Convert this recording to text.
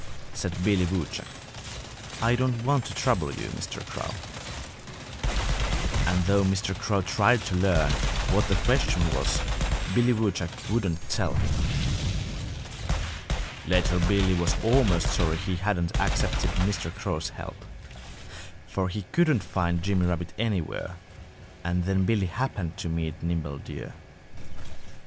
said Billy Woodchuck. "I don't want to trouble you, Mr. Crow." And though Mr. Crow tried to learn what the question was, Billy Woodchuck wouldn't tell him. Later Billy was almost sorry he hadn't accepted Mr. Crow's help. For he couldn't find Jimmy Rabbit anywhere. And then Billy happened to meet Nimble Deer.